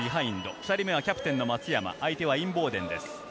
２人目はキャプテンの松山、相手はインボーデンです。